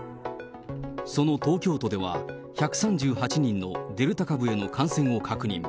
その東京都では、１３８人のデルタ株への感染を確認。